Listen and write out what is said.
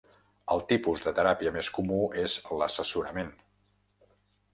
El tipus de teràpia més comú és l'assessorament.